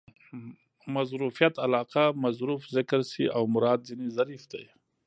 مظروفیت علاقه؛ مظروف ذکر سي او مراد ځني ظرف يي.